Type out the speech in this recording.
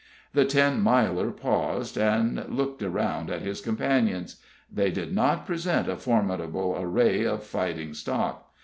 The Ten Miler paused, and looked around at his companions. They did not present a formidable array of fighting stock.